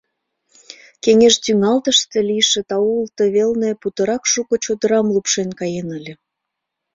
Кеҥеж тӱҥалтыште лийше таул ты велне путырак шуко чодырам лупшен каен ыле.